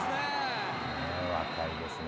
若いですね。